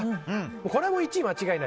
これは１位間違いない。